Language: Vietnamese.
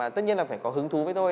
tất nhiên là phải có hứng thú với tôi